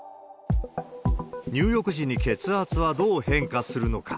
入浴時に血圧はどう変化するのか。